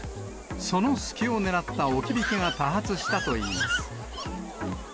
その隙を狙った置き引きが多発したといいます。